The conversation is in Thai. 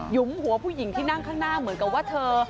ยุมหัวผู้หญิงที่นั่งข้างหน้าเหมือนกับว่าเธอ